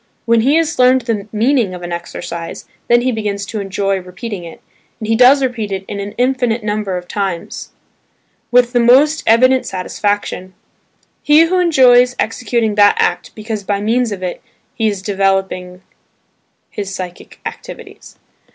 When he has learned the meaning of an exercise, then he begins to enjoy repeating it, and he does repeat it an infinite number of times, with the most evident satisfaction. He enjoys executing that act because by means of it he is developing his psychic activities.